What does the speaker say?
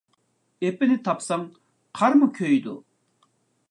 ئېپىنى تاپساڭ قارمۇ كۆيىدۇ.